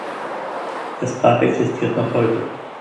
Das Grab existiert noch heute.